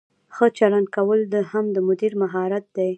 ښه چلند کول هم د مدیر مهارت دی.